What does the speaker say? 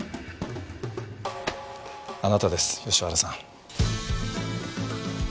あなたです吉原さん。